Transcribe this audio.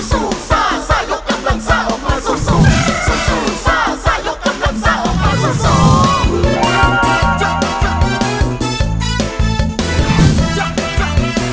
สู้ซ่าซ่ายกกำลังซ่าออกมาสู้สู้